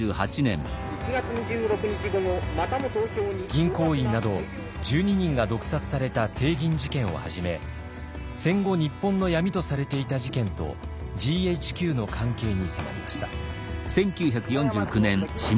銀行員など１２人が毒殺された帝銀事件をはじめ戦後日本の闇とされていた事件とＧＨＱの関係に迫りました。